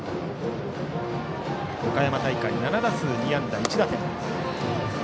岡山大会、７打数２安打１打点。